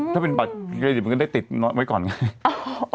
มันก็ได้ติดไว้ก่อนไง